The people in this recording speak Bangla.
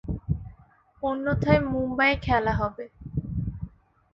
অন্যথায়, মুম্বইয়ে খেলা হবে।